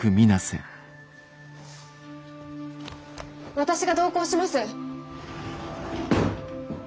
私が同行します。